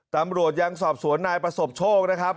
ตำรวจยังสอบสวนนายประสบโชคนะครับ